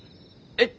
えっ？